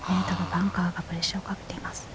バンカーがプレッシャーをかけています。